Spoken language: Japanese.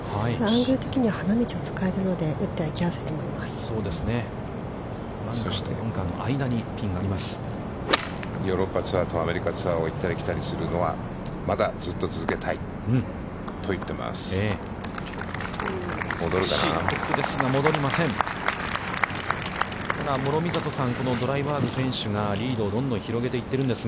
ヨーロッパツアーとアメリカツアーを行ったり来たりするのは、まだずっと続けたいと言っています。